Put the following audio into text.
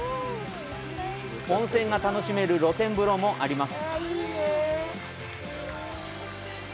温泉が楽しめる露天風呂もあります。